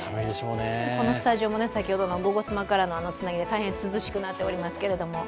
このスタジオも先ほどの「ゴゴスマ」からのつなぎで大変涼しくなっておりますけれども。